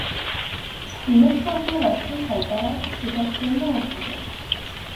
Une extension vers Crystal Palace est actuellement en projet.